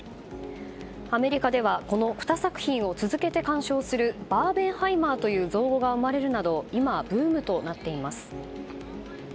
アメリカではこの２作品を続けて観賞するバーベンハイマーという造語が生まれるなど今、ブームとなっています。